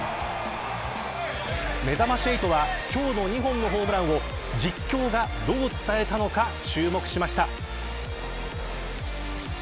めざまし８は今日の２本のホームランを実況がどう伝えたのか注目しました。